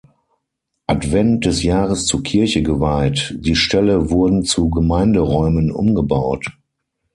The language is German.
Advent des Jahres zur Kirche geweiht, die Ställe wurden zu Gemeinderäumen umgebaut.